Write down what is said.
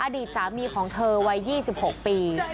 อดีตสามีของเธอวัย๒๖ปี